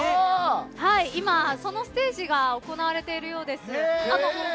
今、そのステージが行われているようです。